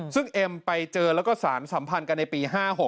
ซึ่งเอ็มไปเจอแล้วก็สารสัมพันธ์กันในปี๕๖